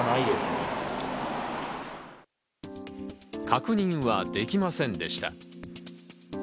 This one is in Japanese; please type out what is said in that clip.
確認はできませんでした。